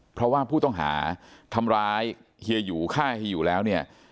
เพราะว่าผู้ต้องหาทำร้ายเฮียหยูฆ่าเฮียหยูแล้วเนี่ย